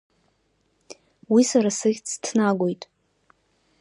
Уи сара сыхьӡ ҭнагоит.